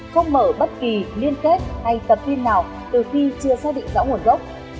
không mở bất kỳ liên kết hay tập tin nào từ khi chưa xác định rõ nguồn gốc